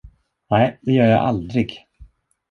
Nej, det gör jag aldrig!